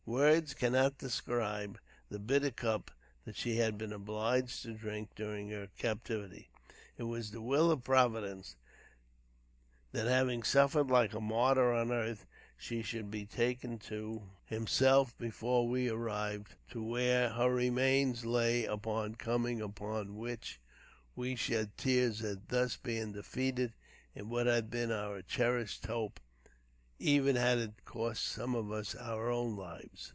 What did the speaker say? Words cannot describe the bitter cup that she had been obliged to drink during her captivity. It was the will of Providence that, having suffered like a martyr on earth, she should be taken to himself before we arrived to where her remains lay; upon coming upon which, we shed tears at thus being defeated in what had been our cherished hopes even had it cost some of us our own lives."